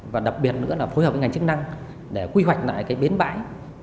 và đặc biệt nữa là phối hợp với ngành chức năng để quy hoạch lại cái bến bãi